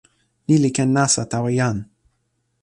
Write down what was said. ni li ken nasa tawa jan.